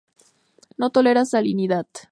No tolera salinidad.